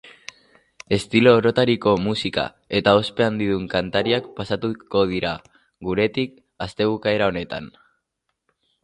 Estilo orotariko musika eta ospe handidun kantariak pasatuko dira guretik astebukaera honetan.